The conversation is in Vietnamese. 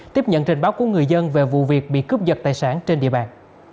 tiếp nhận trình báo của người dân về vụ việc bị cướp giật tài sản trên địa bàn